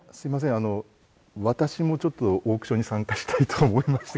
あの私もちょっとオークションに参加したいと思いまして。